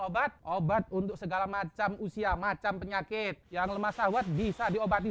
obat obat untuk segala macam usia macam penyakit yang lemah sahwat bisa diobati